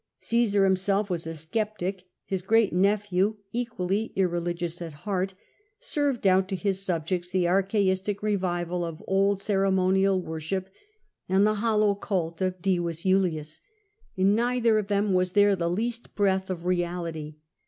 Caesar himself was a sceptic ; his great nephew — equally irreligious at heart — served out to Ms subjects the archaistic revival of old ceremonial worship, and the hollow cult of Divus Julius, In neither of them was there the least breath of reality.